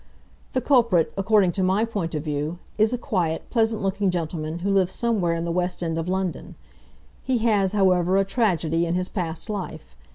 "The culprit, according to my point of view, is a quiet, pleasant looking gentleman who lives somewhere in the West End of London. He has, however, a tragedy in his past life.